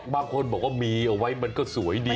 บางคนบอกว่ามีเอาไว้มันก็สวยดี